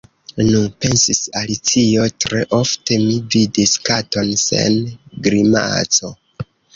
"Nu," pensis Alicio, "tre ofte mi vidis katon sen grimaco.